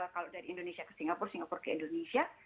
kalau dari indonesia ke singapura singapura ke indonesia